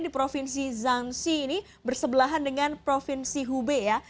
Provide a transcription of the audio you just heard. di provinsi zansi ini bersebelahan dengan provinsi hubei ya